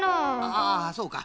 ああそうか。